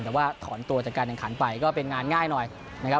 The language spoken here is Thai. แต่ว่าถอนตัวจากการแข่งขันไปก็เป็นงานง่ายหน่อยนะครับ